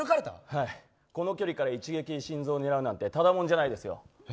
この距離から一撃で心臓を狙うなんてただものじゃないですよ。